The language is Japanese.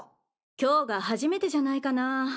今日が初めてじゃないかなぁ？